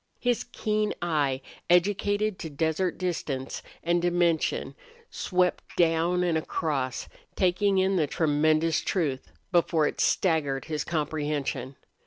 His keen eye, educated to desert distance and dimension swept down and across, taking in the tremendous truth, before it staggered his comprehension.